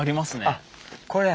あっこれ？